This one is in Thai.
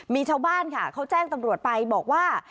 มีชาวบ้านค่ะเขาแจ้งตำรวจไปบอกว่า